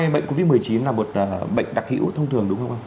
bệnh covid một mươi chín là một bệnh đặc hữu thông thường đúng không